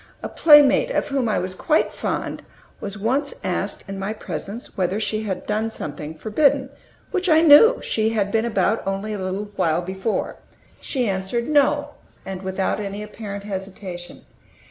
A playmate, of whom I was quite fond, was once asked, in my presence, whether she had done something forbidden, which I knew she had been about only a little while before. She answered "No," and without any apparent hesitation.